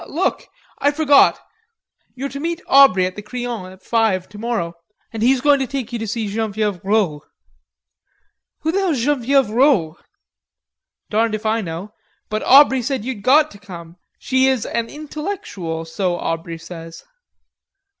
"Look! I forgot! You're to meet Aubrey at the Crillon at five tomorrow, and he's going to take you to see Genevieve Rod?" "Who the hell's Genevieve Rod?" "Darned if I know. But Aubrey said you'd got to come. She is an intellectual, so Aubrey says."